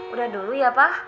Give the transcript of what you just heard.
udah dulu ya pa